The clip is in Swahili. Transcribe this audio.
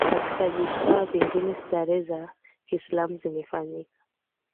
Katika visa vingine sherehe za za Kiislamu zimefanyika